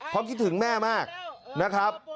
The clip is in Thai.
เพราะคิดถึงแม่มากนะครับ